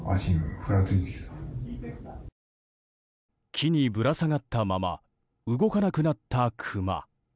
木にぶら下がったまま動かなくなったクマ。